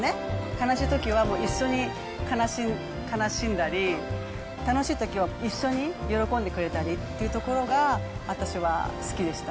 悲しいときは一緒に悲しんだり、楽しいときは一緒に喜んでくれたりっていうところが、私は好きでした。